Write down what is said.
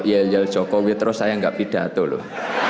kalau yel yel jokowi terus saya enggak pindah tuh loh